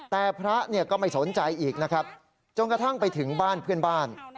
แต่พระก็ไม่สนใจอีกนะครับจนกระทั่งไปถึงบ้านเพื่อนบ้าน